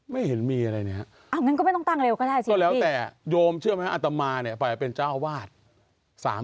ไม่เห็นมีอะไรนะครับต้องแล้วแต่โยมเชื่อไหมคะอัตมาเนี่ยปล่อยเป็นเจ้าอาวาส